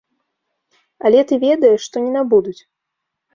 Але ты ведаеш, што не набудуць.